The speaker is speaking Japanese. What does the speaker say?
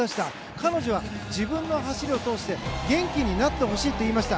彼女は自分の走りを通して元気になってほしいって言いました。